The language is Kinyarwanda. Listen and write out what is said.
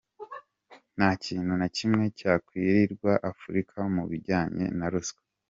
Nta kintu na kimwe cyakwitirirwa Afurika mu bijyanye na ruswa.